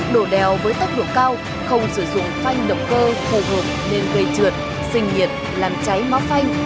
đổ đèo với tốc độ cao không sử dụng phanh động cơ hồi hộp nên gây trượt sinh nhiệt làm cháy máu phanh